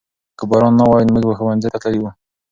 که باران نه وای موږ به ښوونځي ته تللي وو.